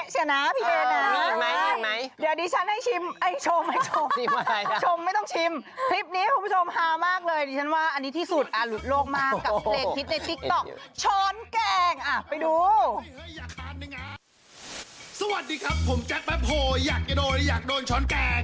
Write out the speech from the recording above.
สวัสดีครับผมแจ๊คโฮอยากจะโดนอยากโดนช้อนแกง